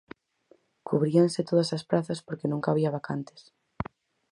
Cubríanse todas as prazas porque nunca había vacantes.